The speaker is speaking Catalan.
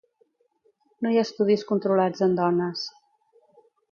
No hi ha estudis controlats en dones.